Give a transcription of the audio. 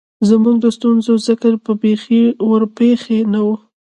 زمونږ د ستونزو ذکــــــر به بېخي ورپکښې نۀ وۀ